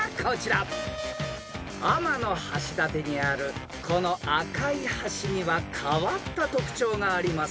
［天橋立にあるこの赤い橋には変わった特徴があります］